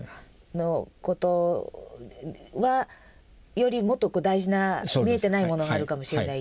よりもっとこう大事な見えてないものがあるかもしれないっていう。